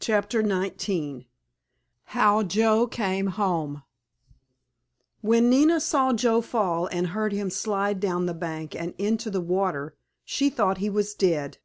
*CHAPTER XIX* *HOW JOE CAME HOME* When Nina saw Joe fall and heard him slide down the bank and into the water she thought he was dead.